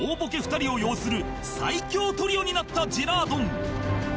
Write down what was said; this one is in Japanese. ２人を擁する最強トリオになったジェラードン